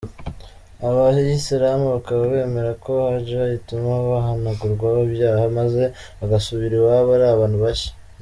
Abayisilamu bakaba bemera ko Hajj ituma bahanagurwaho ibyaha, maze bagasubira iwabo ari abantu bashya.